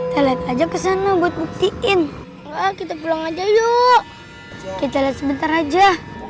telet aja kesana buat buktiin kita pulang aja yuk kita sebentar aja